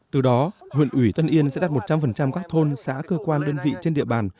từ đó huyện ủy tân yên sẽ đặt một trăm linh các thôn xã cơ quan đơn vị trên địa bàn